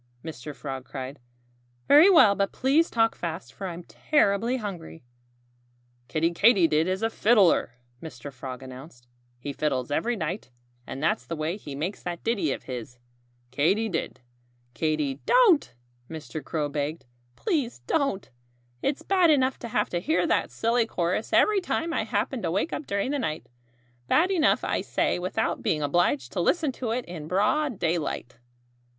Mr. Frog cried. "Very well! But please talk fast; for I'm terribly hungry." "Kiddie Katydid is a fiddler," Mr. Frog announced. "He fiddles every night. And that's the way he makes that ditty of his Katy did, Katy " "Don't!" Mr. Crow begged. "Please don't! It's bad enough to have to hear that silly chorus every time I happen to wake up during the night bad enough, I say, without being obliged to listen to it in broad daylight."